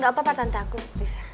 gak apa apa tante aku bisa